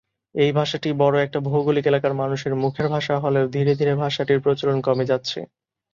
এই ভাষাটি বড়ো একটা ভৌগোলিক এলাকার মানুষের মুখের ভাষা হলেও ধীরে ধীরে ভাষাটির প্রচলন কমে যাচ্ছে।